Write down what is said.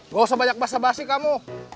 ga usah banyak bahasa basi kamu